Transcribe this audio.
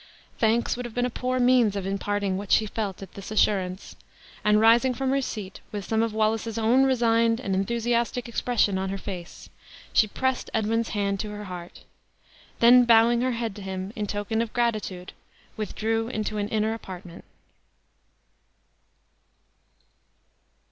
Thanks would have been a poor means of imparting what she felt at this assurance; and, rising from her seat, with some of Wallace's own resigned and enthusiastic expression in her face, she pressed Edwin's hand to her heart; then bowing her head to him, in token of gratitude, withdrew into an inner apartment.